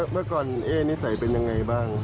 เมื่อก่อนเอ๊นิสัยเป็นยังไงบ้าง